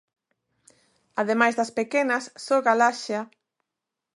Ademais das pequenas, só Galaxia...